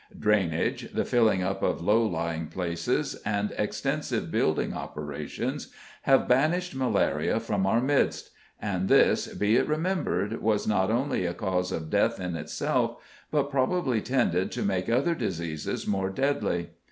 Drainage, the filling up of low lying places, and extensive building operations, have banished malaria from our midst, and this, be it remembered, was not only a cause of death in itself, but probably tended to make other diseases more deadly.